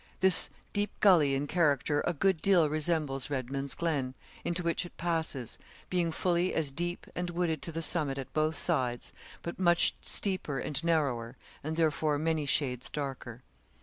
This deep gully in character a good deal resembles Redman's Glen, into which it passes, being fully as deep, and wooded to the summit at both sides, but much steeper and narrower, and therefore many shades darker.